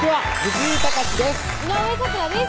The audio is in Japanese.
井上咲楽です